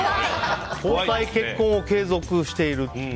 交際・結婚を継続している。